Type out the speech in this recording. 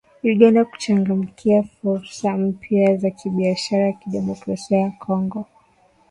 Uganda kuchangamkia fursa mpya za kibiashara Demokrasia ya Kongo